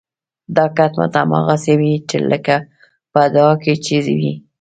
دا کټ مټ هماغسې وي لکه په دعا کې چې وي.